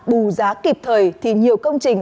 bù giá kịp thời thì nhiều công trình